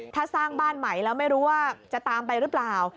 ถ้าสร้างบ้านใหม่แล้วไม่รู้ว่าจะตามไปหรือเปล่า